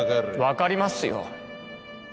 わかりますよ